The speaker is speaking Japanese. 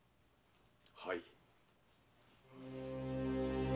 はい。